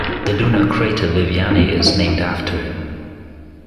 The lunar crater Viviani is named after him.